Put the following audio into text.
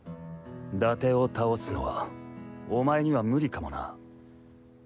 伊達を倒すのはお前には無理かもな。